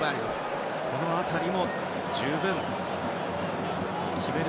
この辺りも十分、決める